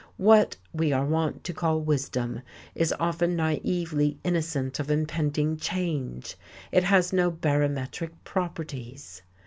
What we are wont to call wisdom is often naively innocent of impending change. It has no barometric properties.